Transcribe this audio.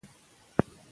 قلم علم خپروي.